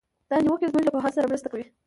دا نیوکې زموږ له پوهانو سره مرسته کوي.